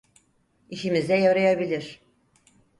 İşimize yarayabilir.